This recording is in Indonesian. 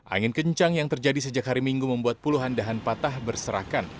angin kencang yang terjadi sejak hari minggu membuat puluhan dahan patah berserakan